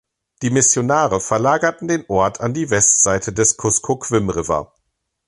Die Missionare verlagerten den Ort an die Westseite des Kuskokwim River.